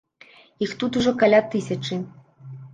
Іх тут ужо каля тысячы!